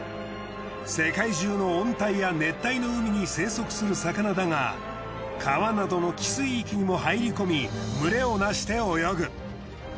世界中の温帯や熱帯の海に生息する魚だが川などの汽水域にも入り込み群れを成して泳ぐ。